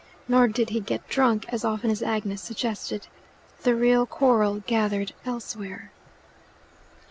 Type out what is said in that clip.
Nor did he get drunk as often as Agnes suggested. The real quarrel gathered elsewhere.